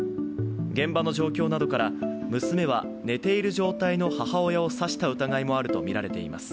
現場の状況などから、娘は寝ている状態の母親を刺した疑いもあるとみられています。